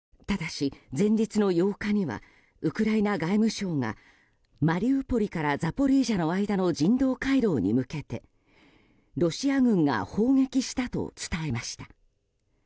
ただし、前日の８日にはウクライナ外務省がマリウポリからザポリージャの間の人道回廊に向けてロシア軍が砲撃したと伝えました。